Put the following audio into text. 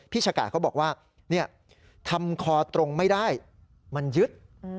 ชะกาดเขาบอกว่าทำคอตรงไม่ได้มันยึด